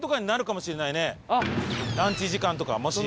ランチ時間とかもし。